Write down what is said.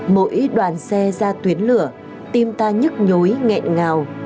mỗi đoàn xe ra tuyến lửa tim ta nhức nhối nghẹn ngào